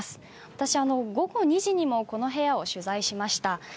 私、午後２時にもこの部屋を取材しました。